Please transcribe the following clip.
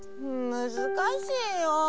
むずかしいよ。